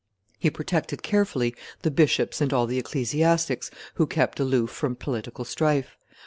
He protected carefully the bishops and all the ecclesiastics who kept aloof from political strife.